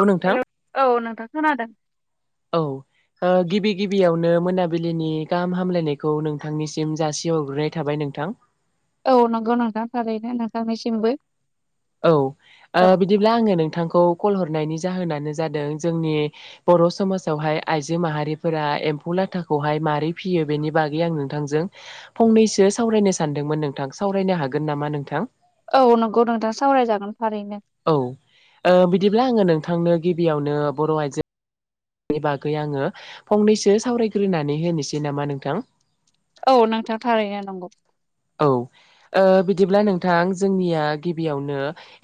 औ नोंथां हेल' औ नोंथां खोनादों। औ। ओ गिबि गिबियावनो मोनाबिलिनि गाहाम हामलायनायखौ नोंथांनिसिम जासिहरग्रोनाय थाबाय नोंथां। औ नंगौ नोंथां थारैनो नोंथांनिसिमबो। औ ओ बिदिब्ला आङो नोंथांखौ कल हरनायनि जाहोनानो जादों जोंनि बर' समाजावहाय आइजो माहारिफोरा एम्फौ लाथाखौहाय मारै फियो बेनि बागै आं नोंथांजों फंनैसो सावरायनो सानदोंमोन नोंथां सावरायनो हागोन नामा नोंथां? औ नंगौ नोंथां सावरायजागोन थारैनो। औ ओ बिदिब्ला आङो नोंथांनो गिबियावनो बर' आइजो नि बागै आङो फंनैसो सावरायग्रोनानै होनोसै नामा नोंथां? औ नोंथां थारैनो नंगौ। औ ओ बिदिब्ला नोंथां जोंनिया गिबियावनो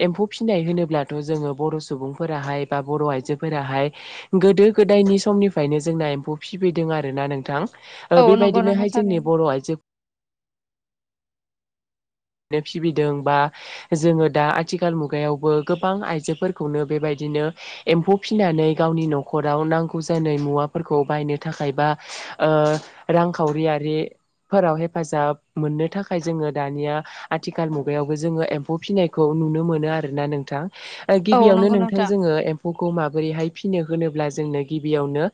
एम्फौ फिनाय होनोब्लाथ' जोङो बर' सुबुंफोराहाय बा बर' आइजोफोराहाय गोदो गोदायनि समनिफ्रायनो जोंना एम्फौ फिसिबोदों आरो ना नोंथां। ओ औ नंगौ नोंथां बेबायदिनोहाय जोंनि थारैनो बर' आइजो फिसिबोदों बा [inaudible] जोङो दा आथिखाल मुगायावबो गोबां आइजोफोरखौनो बेबायदिनो एम्फौ फिनानै गावनि न'खराव नांगौ जानाय मुवाफोरखौ बायनो थाखाय बा ओ रांखावरियारिफोराव हेफाजाब मोननो थाखाय जोङो दानिया आथिखाल मुगायावबो जोङो एम्फौ फिनायखौ नुनो मोनो आरोना नोंथां। ओ औ गिबियावनो नंगौ नोंथां जोङो एम्फौखौ माबोरैहाय फिनो होनोब्ला जोंनो गिबियावनो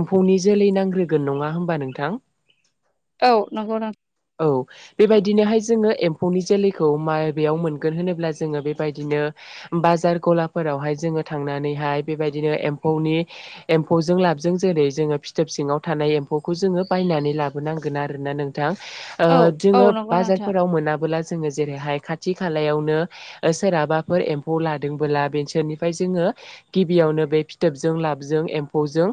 एम्फौनि जोलै नांग्रोगोन नङा होमबा नोंथां? औ नंगौ नों औ बेबायदिनोहाय जोङो एम म्फौनि जोलैखौ मा बेयाव मोनगोन होनोब्ला जोङो बेबायदिनो बाजार गलाफोरावहाय जोङो थांनानैहाय बेबायदिनो एम्फौनि एम्फौजों लाबजों जेरै जोङो फिथोब सिङाव थानाय एम्फौखौ जोङो बायनानै लाबो नांगोन आरो ना नोंथां ओ औ औ जोङो नंगौ नोंथां बाजारफोराव मोना बोला जोङो जेरैहाय खाथि खालायावनो ओ सोरहाबाफोर एम्फौ लादोंबोला बेसोरनिफ्राय जोङो गिबियावनो बे फिथोबजों लाबजों एम्फौजों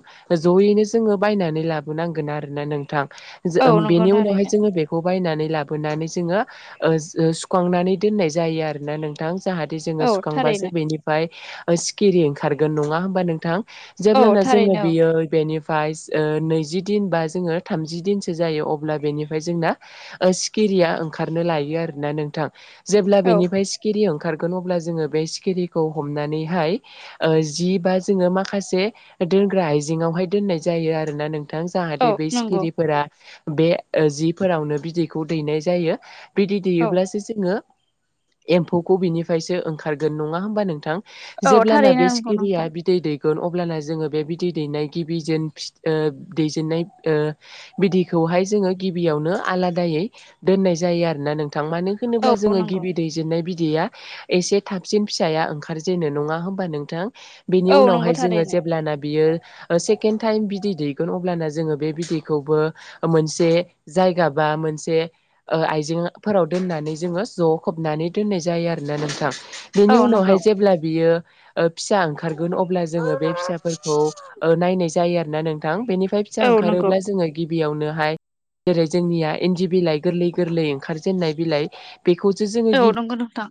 ज'यैनो जोङो बायनानै लाबोनांगोन आरोना नोंथां। औ नंगौ बेनि उनावहाय थारैनो जोङो बेखौ बायनानै लाबोनानै जोङो ओ सुखांनानै दोननाय जायो आरोना नोंथां जाहाथे जोङो औ सुखांबासो थारैनो बेनि ओमफ्राय सिखिरि ओंखारगोन नङा होमबा नोंथां औ जेब्लाना जोङो थारैनो औ बियो बेनि फायस ओ नैजि दिन बा जोङो थामजि दिनसो जायो अब्ला बेनिफाय जोंना ओ सिखिरिया ओंखारनो लायो आरो ना नोंथां जेब्ला औ बेनिफाय सि सिखिरि ओंखारगोन अब्ला जोङो बे सिखिरिखौ हमनानैहाय ओ जि बा जोङो माखासे दोनग्रा आइजेंङावहाय दोननाय जायो आरोना नों दा औ जाहाथे बेै नंगौ सिखिरिफोरा बे ओ जिफोरावनो बिदैखौ दैनाय जायो। ए बिदै औ दैेयोब्लासो जोङो एम्फौखौ बिनिफ्रायसो ओंखारगोन नङा होमबा नोंथां? औ जेब्लाना थारैनो बे नंगौ सिखिरिया नोंथां बिदै दै गोन अब्लाना जोङो बे बिदै दैनाय गिबि जेन फिथ ओ दैजेननाय ओ बिदिखौहाय जोङो गिबियावनो आलादायै दोननाय जायो आरो। ना नोंथां मानो औ होनोब्ला जोङो नंगौ गिबि दै दैजेननाय बिदैया एसे थाबसिन फिसाया ओंखारजेनो नङा होमबा नोंथां। बिनि औ नंगौ उनावहाय जोङो थारैनो जेब्लाना बियो ओ सेकेणड टाइम बिदै दैगोन अब्लाना जोङो बे बिदैखौबो मोनसे जायगा बा मोनसे आइजें फोराव दोननानै जोङो ज' खोबनानै दोननाय जायो आरोना नोंथां। औ बेनि नंगौ उनावहाय जेब्ला बियो ओ फिसा ओंखारगोन अब्ला औ जोङो बे फिसाफोरखौ ओ नायनाय जायो आरो ना नोंथां बेनिफ्राय फिसा नंगौ ओंखारोब्ला जोङो गिबियावनोहाय जेरै जोंनिया इन्दि बिलाइ गोरलै गोरलै ओंखारजेनाय बिलाय बेखौसो जोङो गिबि नंगो नोंथां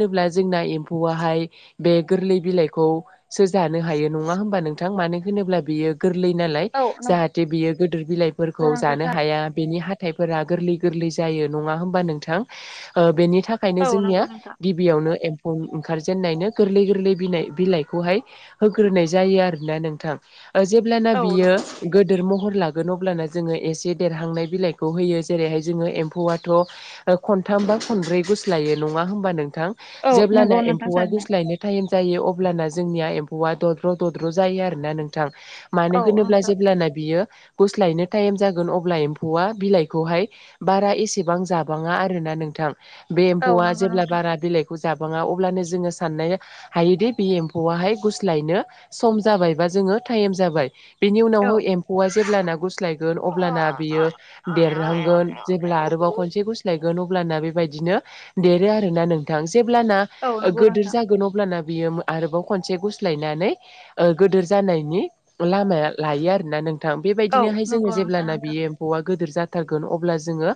होनोब्ला जोंना एम्फौआहाय बे गोरलै बिलाइखौसो जानो हायो नङा होमबा नों थां मानो होनोब्ला बियो गोरलै नालाय औ नंगौ जाहाथे बियो गोदोर बिलाइफोरखौ जानो नोंथां हाया बेनि हा थायफोरा गोरलै गोरलै जायो नङा होमबा नोंथां ओ बेनि थाखायनो औ नंगौ जोंनिया नोंथां गिबियावनो एम्फौ ओंखारजेनन्नायनो गोरलै गोरलै बिनाइ बिलाइखौहाय होग्रोनाय जायो आरोना नोंथां ओ जेब्लाना औ बियो नंगौ गोदोर महर लागोन अब्ला जोङो एसे देरहांनाय बिलाइखौ होयो जेरैहाय जोङो एम्फौआथ' ओ खनथाम बा खनब्रै गुस्लायो नङा होमबा नोंथां औ नंगौ जेब्लाना नोंथां एम्फौआ थारैनो गुस्लायनो टाइम जायो अब्लाना जोंनिया एम्फौआ दद्र' दद्र' जायो आरोना नोंथां। औ मानो होनोब्ला नोंथां जेब्लाना बियो गुस्लायनो टाइम जागोन अब्ला एम्फौआ बिलाइखौहाय बारा एसेबां जाबाङा आरोना नोंथां। बे औ एम्फौआ नंगौ जेब्ला नोंथां बारा बिलाइखौ जाबाङा अब्लानो जोङो साननो हायोदि बे एम्फौ वाहाय गुस्लायनो सम जाबायबा जोङो टाइम जाबाय बेनि औ उनाव एम् फौना जेब्लाना गुस्लायगोन अब्लाना बियो देरहांगोन जेब्ला आरोबाव खनसे गुस लायगोन अब्लाना बेबायदिनो देरो आरोना नोंथां जेब्लाना औ ओ नंगौ गोदोर नोंथां जागोन अब्लाना बियो आरोबाव खनसे गुस्लायनानै ओ गोदोर जानायनि लामाया लायो आरोना नों थां औ बेबायदिनोहाय जोङो नंगौ नोंथां जेब्लाना नोंथां बेयो एम्फौआ गोदोर जाथारगोन अब्ला जोङो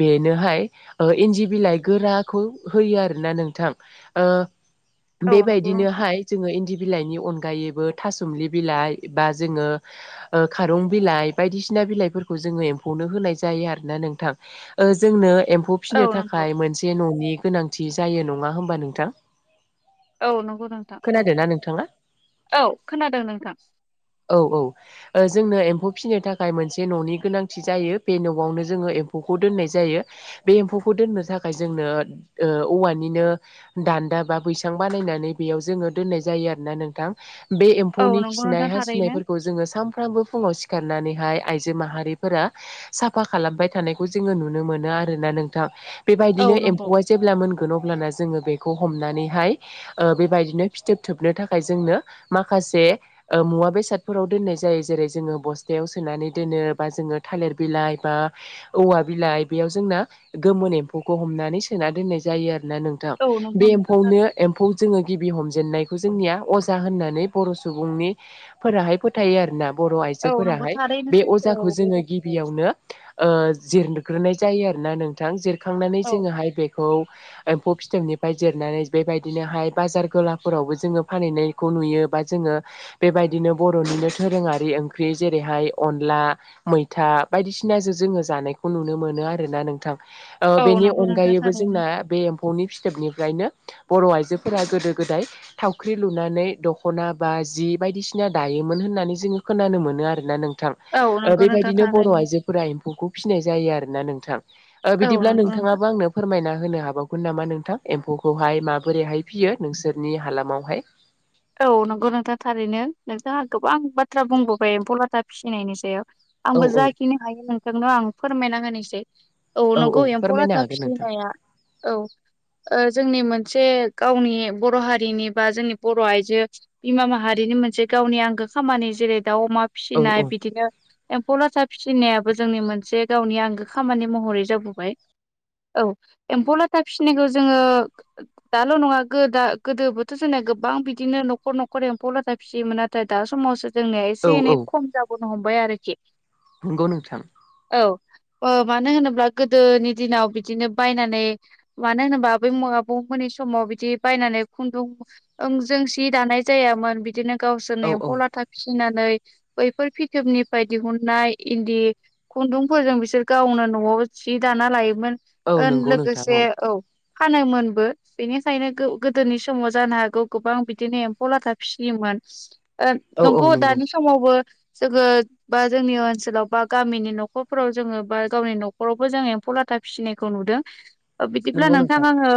बेनोहाय ओ इन्दि बिलाइ गोराखौ होयो आरोना नोंथां ओ औ नंगौ नोंथां बेबायदिनोहाय जोङो इन्दि बिलाइनि अनगायैबो थासुमलि बिलाइ बा जोङो ओ खारं बिलाइ बायदिसिना बिलाइफोरखौ जोङो एम्फौनो होनाय जायो आरोना नोंथां। ओ जोंनो एम्फौ औ फिसिनो नंगौ थाखाय मोनसे न'नि गोनांथि जायो नङा होमबा नोंथां। औ नंगौ नोंथां औ खोनादों ना नोंथाङा औ खोनादों नोंथां। औ औ। ओ जोंनो एम्फौ फिसिनो थाखाय मोनसे न'नि गोनांथि जायो बे न'आवनो जोङो एम्फौखौ दोननाय जायो। बे एम्फौखौ दोननो थाखाय जोंनो ओ औवानिनो दान्दा बा बैसां बानायनानै बेयाव जोङो दोननाय जायो आरो ना नोंथां। बे औ एम्फौनि नंगौ खिनाय नोंथां थारैनो हासुनायफोरखौ जोङो सानफ्रामबो फुङाव सिखारनानैहाय आइजो माहारिफोरा साफा खालामबाय थानायखौ जोङो नुनो मोनो आरोना नोंथां औ बेबायदिनो नंगौ एम्फौआ जेब्ला मोनगोन अब्लाना जोङो बेखौ हमनानैहाय ओ बेबायदिनो फिथोब थोबनो थाखाय जोंनो माखासे ओ मुवा बेसादफोराव दोननाय जायो जेरै जोङो बस्थायाव सोनानै दोनो बा जोङो थालिर बिलाइ बा औवा बिलाइ बेयाव जोंना गोमोन एम्फौखौ हमनानै सोना दोननाय जायो आरोना नों थां औ बे नंगौ नोंथां एम्फौनो एम्फौ जोङो गिबि हमजेनन्नायखौ जोंनिया अजा होननानै बर' सुबुंनि फोराहाय फोथायो आरो ना बर' औ नंगौ आइजोफोराहाय थारैनो बे सैथो औ अजाखौ बे जोङो बाथ्राया गिबियावनो ओ जिरग्रोनाय जायो आरोना नोंथां जिरखांनानै औ जोङोहाय बेखौ एम्फौ फिथोबनिफ्राय जिरनानै बेबायदिनोहाय बाजार गोलाफोरावबो जोङो फानहैनाय खौ नुयो बा जोङो बेबायदिनो बर'निनो दोरोङारि ओंख्रि जेरैहाय अनला मैथा बायदिसिनाजो जोङो जानायखौ नुनो मोनो आरोना नोंथां ओ औ बेनि नंगौ नोंथां अनगायै थारैनो दा बे एम्फौनि फिथोबनिफ्रायनो बर' आइजोफोरा गोदो गोदाय, थावख्रि लुनानै दख'ना बा जि बायदिसिना दायोमोन होननानै जोङो खोनानो मोनो आरोना नोंथां। औ ओ नंगौ नोंथां बेबायदिनो बर' थारैनो आइजो फोरा एम्फौखौ फिसिनाय जायो आरोना नोंथां ओ औ बिदिब्ला नंगौ नोंथां नोंथाङाबो आंनो फोरमायना होनो हाबावगोन नामा नोंथां एम्फौखौहाय माबोरैहाय फियो नोंसोरनि हालामावहाय? औ नंगौ नोंथां थारैनो नोंथाङा गोबां बाथ्रा बुंबोबाय एम्फौ लाथा फिसिनायनि सायाव। औ आंबो औ जाखिनि हायो नोंथांनो आं फोरमायना होनोसै। औ नंगौ एम्फौ फोरमायनो लाथा हागोन नोंथां फिसिनाया औ ओ जोंनि मोनसे गावनि बर' हारिनि बा जोंनि बर' आइ जो बिमा माहारिनि मोनसे गावनि आंगो खामानि जेरै दाउ अमा औ औ फिसिनाय बिदिनो एम्फौ लाथा फिसिनायाबो जोंनि मोनसे गावनि आंगो खामानि महरै जाबोबाय। औ एम्फौ लाथा फिसिनायखौ जोङो दाल' नङा गो दा गोदो बोथोथ' जोंना गोबां बि दिनो नखर नखर एम्फौ लाथा फिसियोमोन नाथाय दा समावसो जोंनिया औ एसे औ एनै खम जा बोनो हमबाय आरोखि। नंगौ नोंथां। औ ओ मानो होनोब्ला गोदोनि दिनाव बिदिनो बायनानै मानो होनोबा आबै आबौमोननि समाव बिदि बायनानै खुन्दुं ओं जों सि दानाय जायामोन बिदिनो औ गावसोरनो औ एम्फौ लाथा फिसिनानै बैफोर फिथोबनिफ्राय दिहुननाय इन्दि खुन्दुंफोरजों बिसोर गावनो न'आव जि दाना लायोमोन औ ओ नंगौ नोंथां लोगोसे औ। फानोमोनबो बेनिखायनो गो-गोदोनि समाव जानो हागौ गोबां बिदिनो एम्फौ लाथा फिसियोमोन ओ औ औ नंगौ दानि समावबो जोङो बा जोंनि ओनसोलाव बा गामिनि न'खरफोराव जोङो बा गावनि न'खरावबो जों एम्फौ लाथा फिसिनायखौ नुदों। [inaudible] ओ बिदिब्ला नोंथां आंङो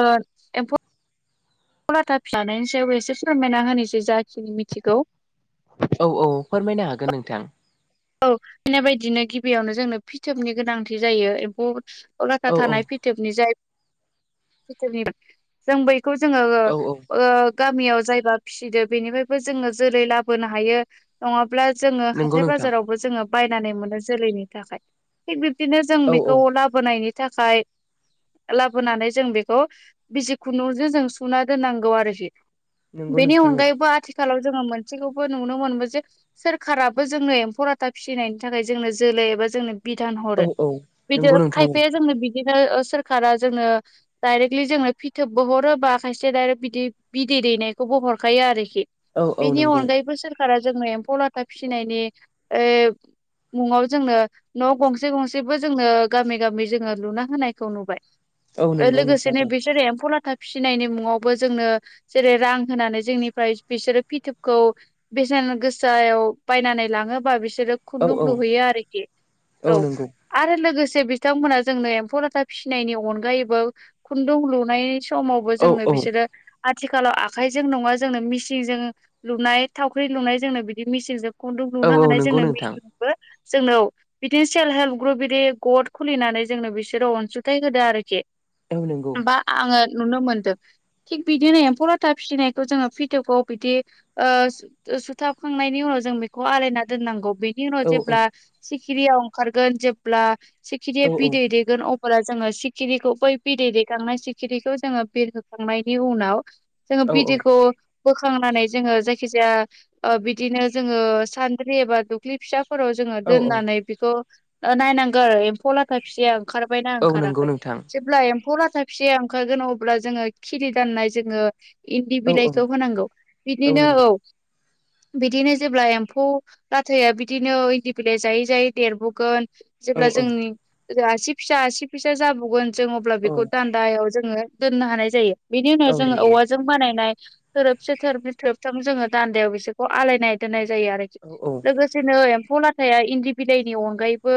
फौ लाथा [unintelligible] सायाव एसे फोरमायना होनोसै जाखिनि मिथिगौ। औ औ फोरमायनो हागोन नोंथां। औ [unintelligible] बायदिनो गिबियावनो जोंनो फिथोबनि गोनांथि जायो एम्फौ लाथा औ औ थानाय फि फिथोबनि जाय [unintelligible] जों बैखौ जोंङो औ औ ओ गामियाव जायबा फिसिदो बेनिफ्रायबो जोङो जोलै लाबोनो हायो। नङाब्ला जोङो नंगौ हाथाय नोंथां बाजारावबो जोङो बायनानै मोनो जोलैनि थाखाय। थिग बिब्दिनो जों औ औ बेखौ लाबोनायनि थाखाय लाबोनानै जों बेखौ बिजि खुन्दुंजों जों सुना दोननांगौ आरोखि। नंगौ बेनि नोंथां अनगायैबो आथि आथिखालाव जोङो मोनसेखौबो नुनो मोनबो जे सोरखाराबो जोङो एम्फौ ला था फिसिनायनि थाखाय जोंनो जोलै एबा जोंनो बिधान औ हरो औ बिदि नंगौ नोंथां खायफाया जोंनो बि बिदिनो ओ सोरखारा जोंनो डायरेक्टलि जोंनो फिथोबबो हरो बा खायसे दाइरेक्ट बिदि बिदै दैनायखौबो हरखायो आरोखि। औ औ बेनि नंगौ अनगायैबो सोरखारा जोंनो एम्फौ लाथा फिसिनायनि ओ मुंङाव जोंनो न' गंसे गंसेबो जोंनो गामि गामि जोङो लुना होनायखौ नुबाय। औ ओ नंगौ नोंथां लोगोसेनो बिसोरो एम्फौ लाथा। फिनायनि मुङावबो जोंनो जेरै रां होनानै जोंनिफ्राय बिसोरो फिथोबखौ बेसेन गोसायाव बायनानै लाङो। होनबा बिसोरो औ खुन्दुं औ लुहैयो आरोखि औ। आरो लोगोसे बिथांमोनहा जोंनो एम्फौ लाथा फिसिनायनि अनगायैबो खुन्दुं लुनाय समावबो औ जोंनो औ बिसोरो आथिखालाव आखाइजों नङा जोंनो मिसिंजों लुनाय थावख्रि लुनाय जोंनो बिदि मेचिनजों खुन्दुं लुनो औ औ हानाय नंगौ जोंनो नोंथां मेचिनबो जोंनाव बिदिनो सेल्फ हेल्प ग्रुप बिदि गड खुलिनानै जोंनो बिसोरो अनसुंथाइ होदो आरोखि। औ नंगौ। बा आङो नुनो मोनदों। थिग बिदिनो एम्फौ लाथा फिसिनायखौ जोङो फ्रिथकआव बिदि ओ सु-सुथाबखांनायनि उनाव जों बेखौ आलायनानै दोननांगौ बेनि उनाव औ औ जेब्ला सिखिरियाव ओंखारगोन जेब्ला औ सेखिरिया बिदै दैेगोन अ ब्ला जोङो सिखिरिखौ बै बिदै दैखांनाय सिखिरिखौ जोङो बिरहोखांनायनि उनाव जोङो औ बिदैखौ बोखांनानै जोङो जायखि जाया ओ बिदिनो जोङो सान द्रि एबा दुब्लि फिसाफोराव जोङो औ दोननानै बिखौ नायनांगौ आरो एम्फौ लाथा फिसिया ओंखारबायना औ नंगौ ओंखाराखै। नोंथां जे ब्ला एम्फौ लाथा फिसाया ओंखारगोन अब्ला जोङो खिलि जेननाय जोङो इन्दि औ औ बिलाइखौ होनांगौ बिदिनो औ बिदिनो जेब्ला एम्फौ लाथाया बिदिनो इन्दि बिलाइ जायै जायै देरबोगोन औ जेब्ला जोंनि आसि फिसा आसि फिसा जाबावगोन जों अब्ला बेखौ औ दान्दायाव जोङो दोननो हानाय जायो। बिनि उनाव औ जोङो नंगौ औवा जों बानायनाय थोरोबसे थोरोबसे थोरोबथाम जोङो दान्दायाव बिसोरखौ आलायनाय दोननाय जायो आरोखि। औ औ। लोगोसेनो एम्फौ लाथाया इन्दि बिलाइनि अनगायैबो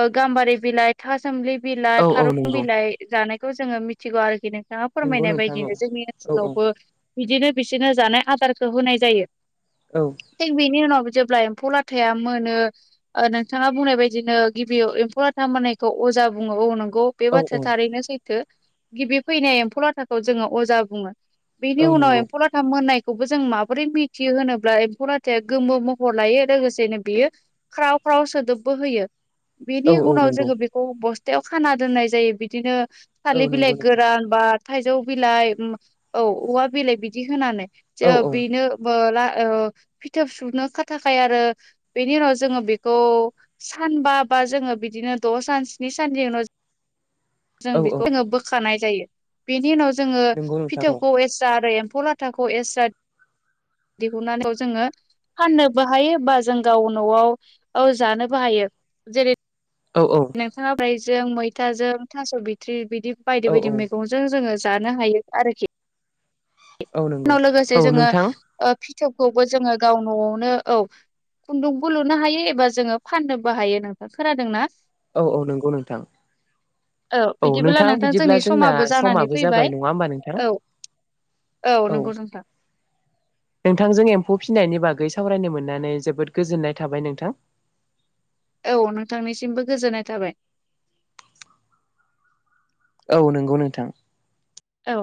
ओ गाम्बारि बिलाइ फिथा सोमलि बिलाइ औ औ खारं नंगौ बिलाइ जानायखौ जोङो मिथिगौ आरोखि नों नोंथाङा नंगौ फोरमायनाय नोंथां औ बायदिनो जोंनि औ ओनसोलावबो बिदिनो बिसोरनो जानाय आदारखौ होनाय जायो। औ। थिग बेनि उनाव जेब्ला एम्फौ लाथाया मोनो। ओ नोंथाङा बुंनाय बायदिनो गिबियाव एम्फौ लाथा मोननायखौ अजा बुङो औ नंगौ। बे औ औ बाथ्राया थारैनो सैथो गिबि फैनाय एम्फौ लाथाखौ जोङो अजा बुङो। बेनि औ उनाव नंगौ एम्फौ लाथा मोननायखौबो जों माबोरै मिथियो होनोब्ला एम्फौ लाथाया गोमो म हर लायो लोगोसेनो बियो ख्राव ख्राव सोदोबबो होयो औ बेनि औ उनाव नंगौ जोङो बे बस्थायाव खाना दोननाय जायो बिदिनो औ थाालिर नंगौ बिलाइ नोंथां गोरान बा थाइजौ बिलाइ औ औवा बिलाइ बिदि होनानै ज औ औ बेनो ओ ला ओ फिथोब सुनो खाथा खायो आरो बेनि उनाव जोङो बेखौ सानबा बा जोङो बिदिनो द' सान स्नि साननि उनाव जों औ औ बेखौ जोङो बोखानाय जायो। बेनि उनाव जोङो नंगौ नोंथां औ फिथौखौ एस्रा आरो एम्फौ लाथाखौ एस्रा दिहुननानै [unintelligible] जोङो फाननोबो हायो बा जों गाव न'आव जानोबो हायो जेरै औ औ। नोंथाङा ब्रायजों मैथाजों थास' बिथ्रि बिदि औ बायदि बायदि औ मैगं बेजोंनो जोङो जानो हायो आरोखि औ नंगौ नाव लोगोसे औ जोङो नोंथां फिथोबखौबो जोङो गाव न'आवनो औ खुन्दुंबो लुनो हायो एबा जोङो फाननोबो हायो नोंथां, खोनादों ना? औ औ नंगौ नोंथां। औ बिदिबोला नोंथां बिदिब्ला जोंनि जोंना समाबो जानानै समाबो फैबाय जाबाय नङा होमबा नोंथां? औ औ नंगौ नोंथां। नोंथांजों एम्फौ फिसिनायनि बागै सावरायनो मोननानै जोबोद गोजोननाय थाबाय नोंथां। औ नोंथांनिसिमबो गोजोननाय थाबाय। औ नंगौ नोंथां। औ